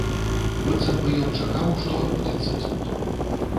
Быццам бы ён чакаў, што адбудзецца цуд.